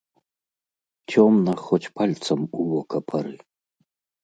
Цёмна, хоць пальцам у вока пары.